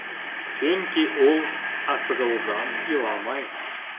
Сөнки ул асығыуҙан иламай.